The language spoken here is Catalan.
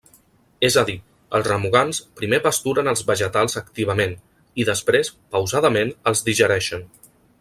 És a dir, els remugants primer pasturen els vegetals activament i després, pausadament, els digereixen.